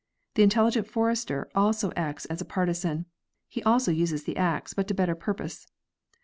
The intelligent forester also acts as a partisan; he also uses the axe, but to better purpose.